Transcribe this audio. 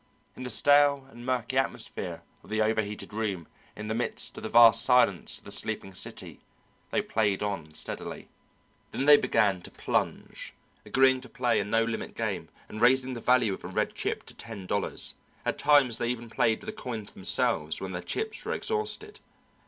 In the stale and murky atmosphere of the overheated room in the midst of the vast silence of the sleeping city they played on steadily. Then they began to "plunge," agreeing to play a no limit game and raising the value of a red chip to ten dollars; at times they even played with the coins themselves when their chips were exhausted.